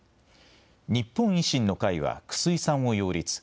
日本維新の会は楠井さんを擁立。